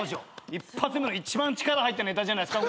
１発目の一番力が入ったネタじゃないですか？